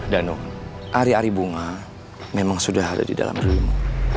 danu hari hari buma memang sudah ada di dalam dirimu